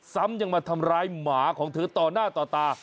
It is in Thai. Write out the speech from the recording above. ซ้ำยังมาทำร้ายหมาของเธอต่อหน้าต่อตา